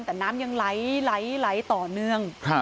แต่น้ำยังไหลต่อเนื่อง